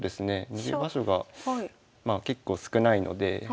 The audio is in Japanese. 逃げ場所がまあ結構少ないので。